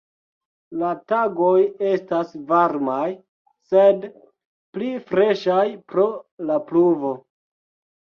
La tagoj estas varmaj, sed pli freŝaj pro la pluvo.